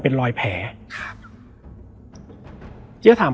แล้วสักครั้งหนึ่งเขารู้สึกอึดอัดที่หน้าอก